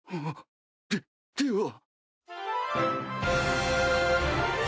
ででは。